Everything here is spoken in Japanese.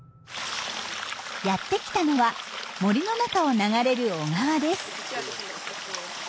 やってきたのは森の中を流れる小川です。